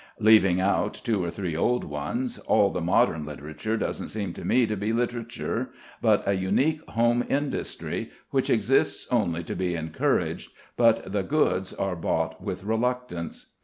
Leaving out two or three old ones, all the modern literature doesn't seem to me to be literature but a unique home industry which exists only to be encouraged, but the goods are bought with reluctance.